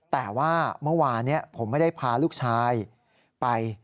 แต่ว่าเมื่อวานผมไม่ได้พาลูกชายไป